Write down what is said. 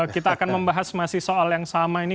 kita akan membahas masih soal yang sama ini